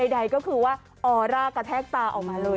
ใดก็คือว่าออร่ากระแทกตาออกมาเลย